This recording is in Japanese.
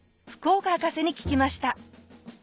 福岡博士に聞きました。